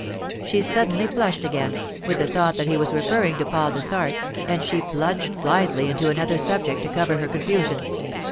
She suddenly flushed again, with the thought that he was referring to Paul Dessart, and she plunged blindly into another subject to cover her confusion.